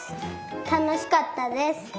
たのしかったです。